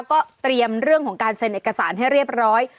ก็เตรียมเรื่องของการเซ็นเอกสารให้เรียบร้อย